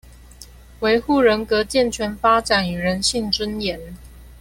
維護人格健全發展與人性尊嚴